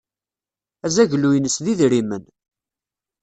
Azaglu-ines d idmimen.